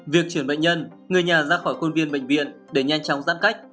việc chuyển bệnh nhân người nhà ra khỏi khuôn viên bệnh viện để nhanh chóng giãn cách